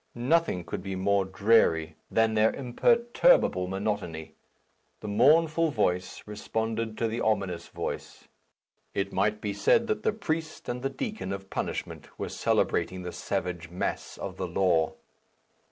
Nothing could be more dreary than their imperturbable monotony. The mournful voice responded to the ominous voice; it might be said that the priest and the deacon of punishment were celebrating the savage mass of the law.